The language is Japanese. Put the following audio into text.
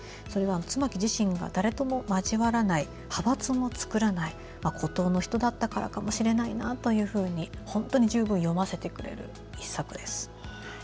それは妻木自身が誰とも交わらない派閥を作らない孤高の人だったからかもしれないなと本当に十分読ませてくれる１作です。